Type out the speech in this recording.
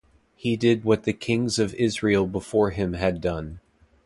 He did what the kings of Israel before him had done.